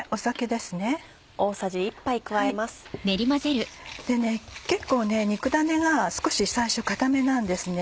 でね結構肉ダネが少し最初硬めなんですね。